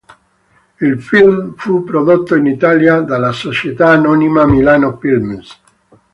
Il film fu prodotto in Italia, dalla Società Anonima Milano Films.